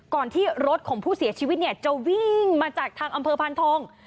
ที่รถของผู้เสียชีวิตเนี่ยจะวิ่งมาจากทางอำเภอพานทอง